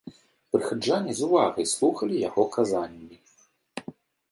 Прыхаджане з увагай слухалі яго казанні.